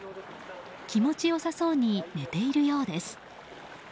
気持ちよさそうに寝ているようです。